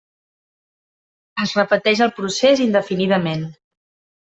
Es repeteix el procés indefinidament.